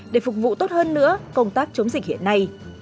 để phục vụ tốt hơn nữa công tác chống dịch hiện nay